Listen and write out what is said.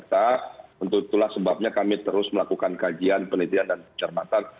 tentu itulah sebabnya kami terus melakukan kajian penelitian dan pencermatan